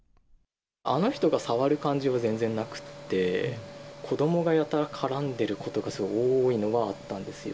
あの人が触る感じは全然なくて、子どもがやたら絡んでることがすごい多いのはあったんですよ。